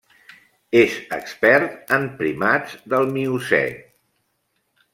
És expert en primats del Miocè.